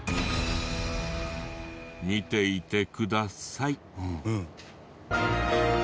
見ていてください。